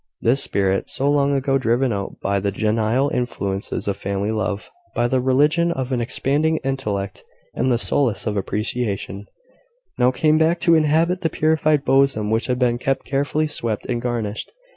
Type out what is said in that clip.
This spirit, so long ago driven out by the genial influences of family love, by the religion of an expanding intellect, and the solace of appreciation, now came back to inhabit the purified bosom which had been kept carefully swept and garnished.